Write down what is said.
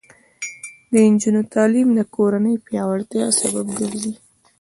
د نجونو تعلیم د کورنۍ پیاوړتیا سبب ګرځي.